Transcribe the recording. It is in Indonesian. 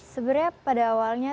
sebenarnya pada awalnya